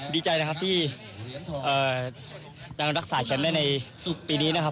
ดีใจนะครับที่จะรักษาแชมป์ได้ในปีนี้นะครับ